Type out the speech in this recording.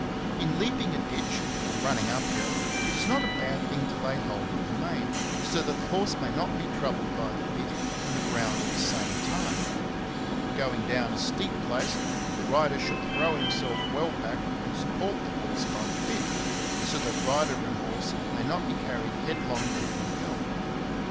In leaping a ditch or running up hill, it is not a bad thing to lay hold of the mane,^*" so that the horse may not be troubled by the bit and the ground at the same time. Going down a steep place, the rider should throw himself well back, and support the horse by the bit, so that rider and horse may not be carried headlong down the hill.